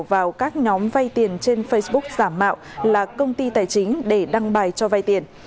vào các nhóm vay tiền trên facebook giảm mạo là công ty tài chính để đăng bài cho vay tiền